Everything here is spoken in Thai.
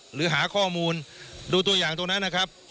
หรือหาข้อมูลดูตัวอย่างตรงนั้นนะครับ